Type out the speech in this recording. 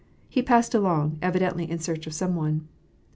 He passed along, evidently in search of some one.